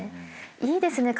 いいですね